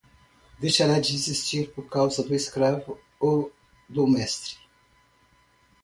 Deixará de existir por causa do escravo ou do mestre.